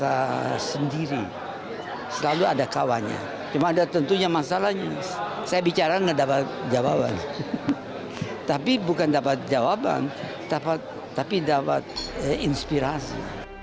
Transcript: tidak rasa sendiri selalu ada kawannya cuma ada tentunya masalahnya saya bicara nggak dapat jawaban tapi bukan dapat jawaban tapi dapat inspirasi